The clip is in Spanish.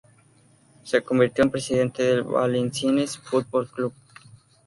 Se convirtió en presidente del Valenciennes Fútbol Club.